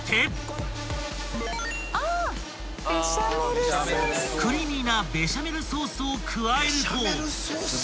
［クリーミーなベシャメルソースを加えると］